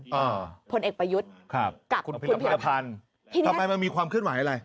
อ่าพลเอกประยุทธ์ครับกับคุณพิกษภัณฑ์ทีนี้ทำไมมันมีความขึ้นหวังอะไร